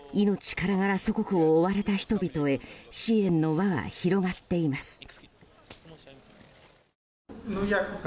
命からがら祖国を追われた人々へ支援の輪は広がっています。